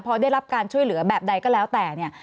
พอได้รับการช่วยเหลือแบบใดก็แล้วแต่เนี่ย